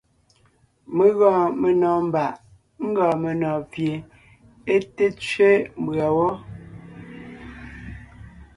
Mé gɔɔn menɔ̀ɔn mbàʼ ńgɔɔn menɔ̀ɔn pie é té tsẅé mbʉ̀a wɔ́.